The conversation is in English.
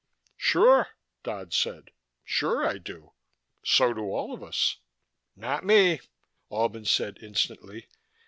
"Sure," Dodd said. "Sure I do. So do all of us." "Not me," Albin said instantly.